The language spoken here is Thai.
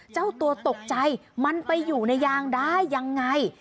เจ้าตัวตกใจมันไปอยู่ในยางได้ยังไง